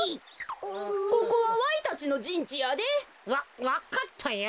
ここはわいたちのじんちやで。わわかったよ。